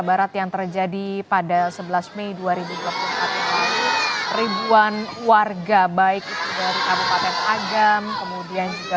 barat yang terjadi pada sebelas mei dua ribu dua puluh empat ini ribuan warga baik itu dari kabupaten agam kemudian juga